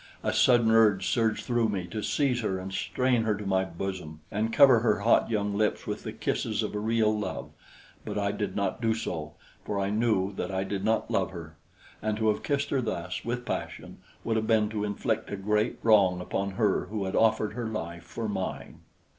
A sudden urge surged through me to seize her and strain her to my bosom and cover her hot young lips with the kisses of a real love, but I did not do so, for I knew that I did not love her; and to have kissed her thus, with passion, would have been to inflict a great wrong upon her who had offered her life for mine.